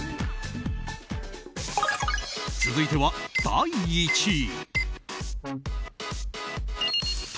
続いては第１位。